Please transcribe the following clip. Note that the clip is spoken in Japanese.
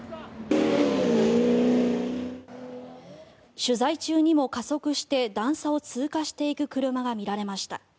取材中にも加速して段差を通過していく車が見られました。